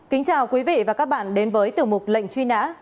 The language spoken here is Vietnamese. kính chào quý vị và các bạn đến với tiểu mục lệnh truy nã